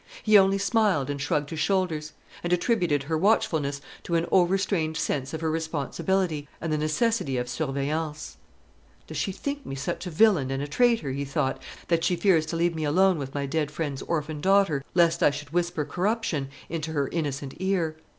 He only smiled and shrugged his shoulders; and attributed her watchfulness to an overstrained sense of her responsibility, and the necessity of surveillance. "Does she think me such a villain and a traitor," he thought, "that she fears to leave me alone with my dead friend's orphan daughter, lest I should whisper corruption into her innocent ear?